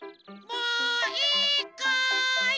もういいかい？